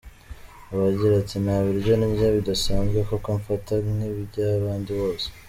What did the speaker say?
agira ati "nta biryo ndya bidasanzwe kuko mfata nk'iby'abandi bose.